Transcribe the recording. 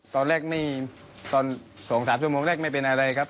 ตอนแรกนี่ตอน๒๓ชั่วโมงแรกไม่เป็นอะไรครับ